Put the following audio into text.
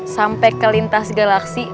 sampe ke lintas galaksi